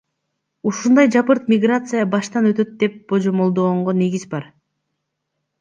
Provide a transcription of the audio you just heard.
Ушундай жапырт миграция баштан өтөт деп божомолдогонго негиз бар.